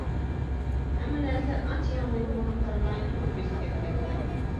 ھەممە نەرسىلەر ئانچە يېڭى بولمىغىنىغا قارىماي توپا بېسىپ كەتكەنىدى.